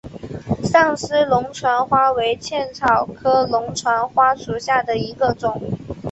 上思龙船花为茜草科龙船花属下的一个种。